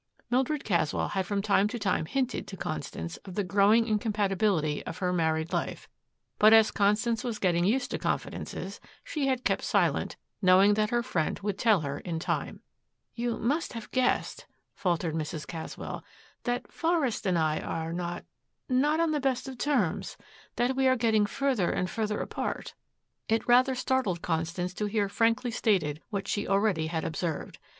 Mildred Caswell had from time to time hinted to Constance of the growing incompatibility of her married life, but as Constance was getting used to confidences, she had kept silent, knowing that her friend would tell her in time. "You must have guessed," faltered Mrs. Caswell, "that Forest and I are not not on the best of terms, that we are getting further and further apart." It rather startled Constance to hear frankly stated what she already had observed.